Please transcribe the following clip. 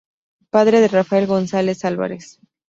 Padre de Rafael González Álvarez.